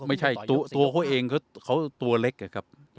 ไม่ใช่ตัวเขาเองเขาตัวเล็กอะครับ